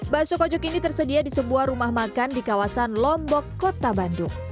bakso kocok ini tersedia di sebuah rumah makan di kawasan lombok kota bandung